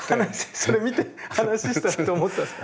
それ見て話したらと思ったんですか？